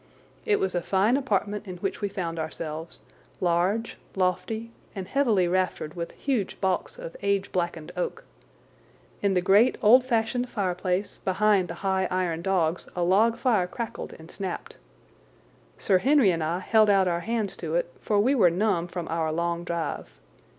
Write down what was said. It was a fine apartment in which we found ourselves, large, lofty, and heavily raftered with huge baulks of age blackened oak. In the great old fashioned fireplace behind the high iron dogs a log fire crackled and snapped. Sir Henry and I held out our hands to it, for we were numb from our long drive.